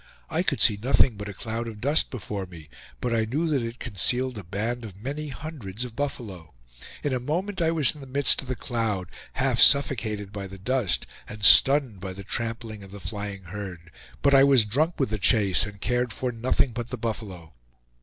I could see nothing but a cloud of dust before me, but I knew that it concealed a band of many hundreds of buffalo. In a moment I was in the midst of the cloud, half suffocated by the dust and stunned by the trampling of the flying herd; but I was drunk with the chase and cared for nothing but the buffalo.